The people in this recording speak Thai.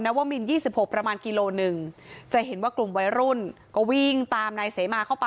วมิน๒๖ประมาณกิโลหนึ่งจะเห็นว่ากลุ่มวัยรุ่นก็วิ่งตามนายเสมาเข้าไป